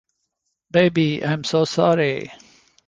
Baby, I'm so sorry.